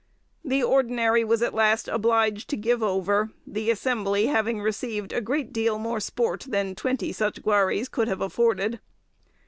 The ordinary was at last obliged to give over, the assembly having received a great deal more sport than twenty such guaries could have afforded.